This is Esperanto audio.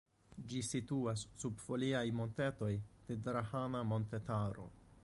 Ĝi situas sub foliaj montetoj de Drahana montetaro.